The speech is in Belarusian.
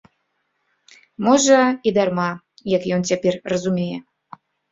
Можа, і дарма, як ён цяпер разумее.